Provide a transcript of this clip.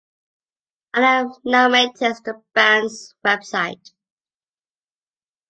Adam now maintains the band's website.